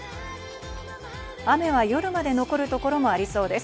雨は夜まで残るところもありそうです。